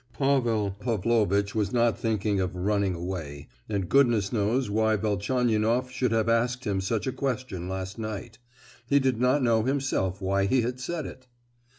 Pavel Pavlovitch was not thinking of "running away," and goodness knows why Velchaninoff should have asked him such a question last night—he did not know himself why he had said it!